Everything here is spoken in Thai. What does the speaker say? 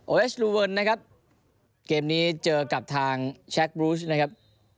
เอสลูเวิร์นนะครับเกมนี้เจอกับทางแชคบรูชนะครับ